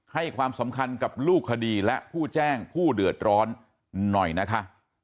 ให้ความสำคัญกับลูกคดีและผู้แจ้งผู้เดือดร้อนหน่อยนะคะ